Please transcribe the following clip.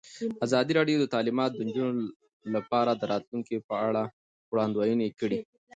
ازادي راډیو د تعلیمات د نجونو لپاره د راتلونکې په اړه وړاندوینې کړې.